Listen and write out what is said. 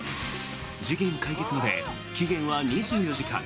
事件解決まで期限は２４時間。